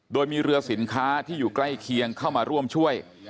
โดยมีเรือสินค้าที่อยู่ใกล้เคียงเข้ามาร่วมช่วย